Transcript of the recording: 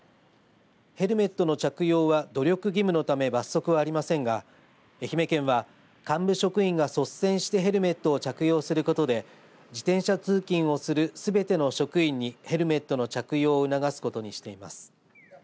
ヘルメットの着用は努力義務のため罰則はありませんが愛媛県は幹部職員が率先してヘルメットを着用することで自転車通勤をするすべての職員にヘルメットの着用を促すことにしています。